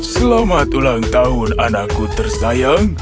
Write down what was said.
selamat ulang tahun anakku tersayang